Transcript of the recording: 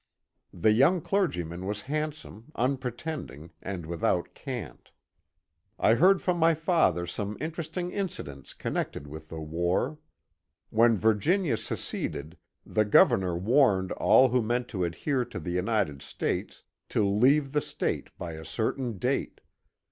The young clergyman was handsome, unpretending, and without cant. I heard from my father some interesting incidents con nected with the war. When Virginia seceded the govjemor warned all who meant to adhere to the United States to leave the State by a certain date.